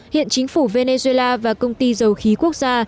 hiện chính phủ venezuela và công ty dầu khí quốc gia